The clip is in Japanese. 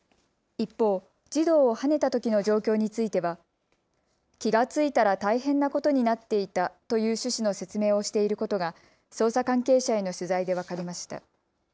一方、児童をはねたときの状況については気が付いたら大変なことになっていたという趣旨の説明をしていることが捜査関係者への取材で分かりました。